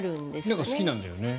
なんか好きなんだよね。